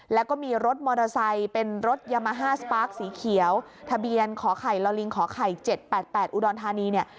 แล้วก็มีรถมอเตอร์ไซค์เป็นรถยามาฮ่าสปาร์คสีเขียวทะเบียนขอไข่ลอลิงขอไข่๗๘๘อุดรธานีเนี่ย